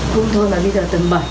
cung thôi mà bây giờ tầng bảy